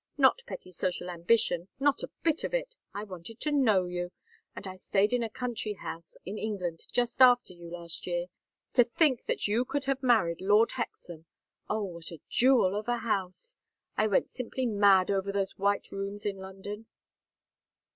Not petty social ambition, not a bit of it. I wanted to know you. And I stayed in a country house in England just after you, last year. To think that you could have married Lord Hexam. Oh, what a jewel of a house! I went simply mad over those white rooms in London."